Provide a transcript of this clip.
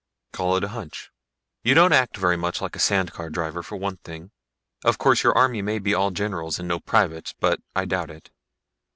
"Call it a hunch. You don't act very much like a sand car driver, for one thing. Of course your army may be all generals and no privates but I doubt it.